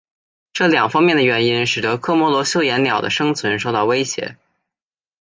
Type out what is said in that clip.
这两方面的原因使得科摩罗绣眼鸟的生存受到威胁。